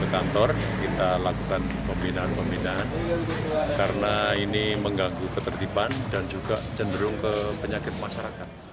ke kantor kita lakukan pembinaan pembinaan karena ini mengganggu ketertiban dan juga cenderung ke penyakit masyarakat